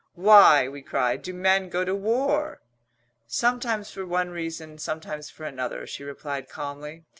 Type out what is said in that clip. "Why," we cried, "do men go to war?" "Sometimes for one reason, sometimes for another," she replied calmly.